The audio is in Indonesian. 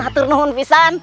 atur nuhun fisan